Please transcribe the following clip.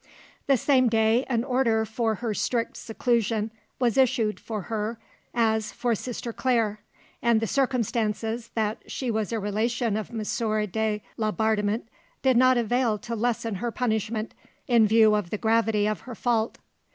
The same day an order for her strict seclusion was issued for her as for Sister Claire, and the circumstances that she was a relation of M. de Laubardemont did not avail to lessen her punishment in view of the gravity of her fault.